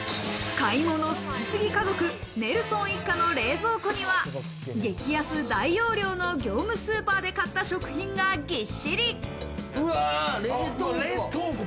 買い物好きすぎ家族・ネルソン一家の冷蔵庫には、激安大容量の業務スーパーで買った食品がぎっしり。